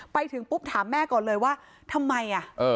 ไปถึงปุ๊บถามแม่ก่อนเลยว่าทำไม